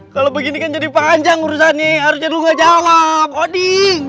kalau begini kan jadi panjang urusannya harusnya lu gak jawab odi